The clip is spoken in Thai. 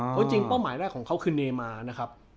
เพราะจริงเป้าหมายแรกของเขาคือเนมานะครับ